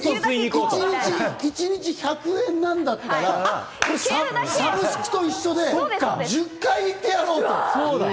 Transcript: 一日１００円なんだったら、サブスクと一緒で１０回行ってやろうと。